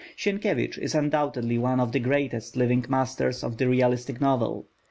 Sienkiewicz is undoubtedly one of the greatest living masters of the realistic novel.